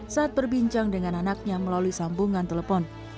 saat berbincang dengan anaknya melalui sambungan telepon